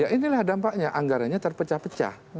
ya inilah dampaknya anggarannya terpecah pecah